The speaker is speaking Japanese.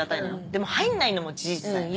でも入んないのも事実だよね。